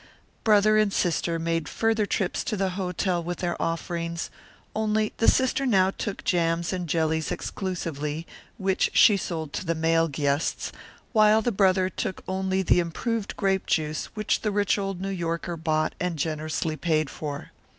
Brother and sister made further trips to the hotel with their offerings, only the sister now took jams and jellies exclusively, which she sold to the male guests, while the brother took only the improved grape juice which the rich old New Yorker bought and generously paid for.